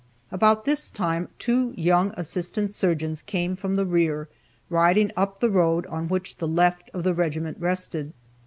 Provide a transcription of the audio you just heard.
About this time two young assistant surgeons came from the rear, riding up the road on which the left of the regiment rested.